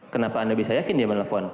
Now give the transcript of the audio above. kenapa anda bisa yakin dia menelpon